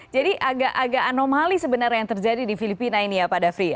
jadi agak anomali sebenarnya yang terjadi di filipina ini ya pak dhafri ya